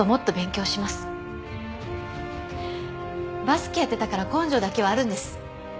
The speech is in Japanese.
バスケやってたから根性だけはあるんです。